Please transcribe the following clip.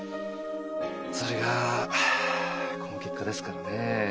それがこの結果ですからね。